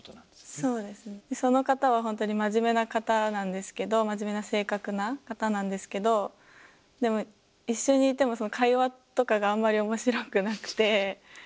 そうですその方はほんとに真面目な方なんですけど真面目な性格な方なんですけどでも一緒にいても会話とかがあんまり面白くなくて。